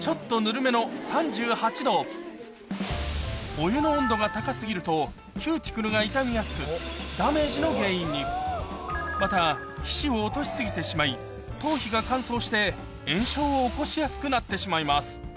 お湯の温度が高過ぎるとキューティクルが傷みやすくダメージの原因にまた皮脂を落とし過ぎてしまい頭皮が乾燥して炎症を起こしやすくなってしまいます